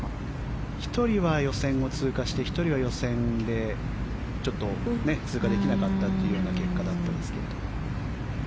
１人は予選を通過して１人は予選を通過できなかったというような結果だったんですけど。